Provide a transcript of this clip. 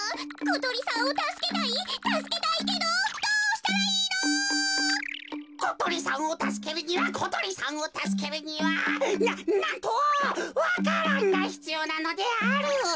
ことりさんをたすけるにはことりさんをたすけるにはななんとわか蘭がひつようなのである。